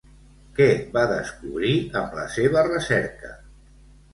Què va descobrir amb la seva recerca?